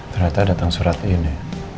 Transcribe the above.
ternyata datang surat ini